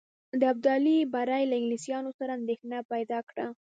د ابدالي بری له انګلیسیانو سره اندېښنه پیدا کړه.